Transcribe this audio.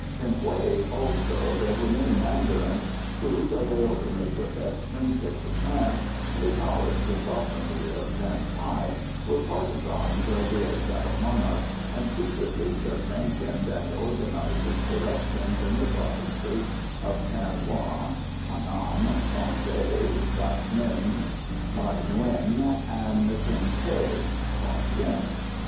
In Hué also there were many mandarins, who, though they openly professed friendship to France and acknowledged the sovereignty of Than Thai, were partisans of the exiled monarch, and secretly subventioned and organised insurrections in the provinces of Than Hoa (Annam), Son Tay, Bac Ninh, Thaï Nguyen and the Yen Thé (Tonquin).